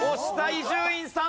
伊集院さん